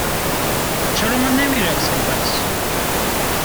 چرا ما نمی رقصیم، پس؟